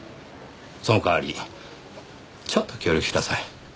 その代わりちょっと協力しなさい。